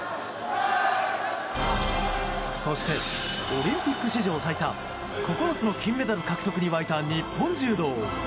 そして、オリンピック史上最多９つの金メダル獲得に沸いた日本柔道。